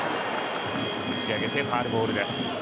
打ち上げてファウルボールです。